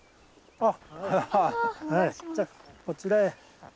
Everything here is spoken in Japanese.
あっ！